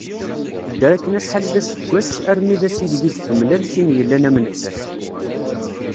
Tedder akken acḥal d aseggas armi d ass i deg-i d-temlal tin yellan am nettat.